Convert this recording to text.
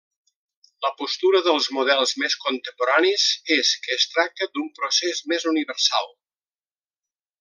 La postura dels models més contemporanis és que es tracta d'un procés més universal.